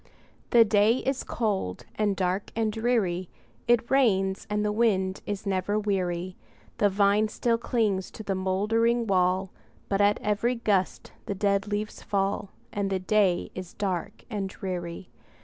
The day is cold, and dark, and dreary; It rains, and the wind is never weary; The vine still clings to the moldering wall, But at every gust the dead leaves fall, And the day is dark and dreary.